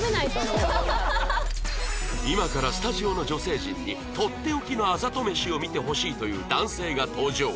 今からスタジオの女性陣にとっておきのあざと飯を見てほしいという男性が登場